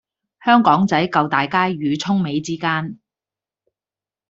香港仔舊大街與涌尾之間